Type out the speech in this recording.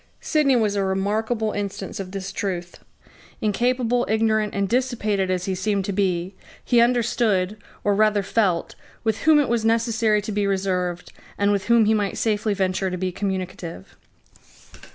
Sidney was a remarkable instance of this truth. Incapable, ignorant, and dissipated as he seemed to be, he understood, or rather felt, with whom it was necessary to be reserved, and with whom he might safely venture to be communicative.